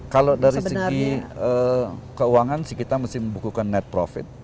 kalau dari segi keuangan sih kita mesti membukukan net profit